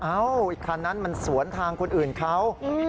อ้าวอีกครั้งนั้นมันสวนทางคนอื่นเขา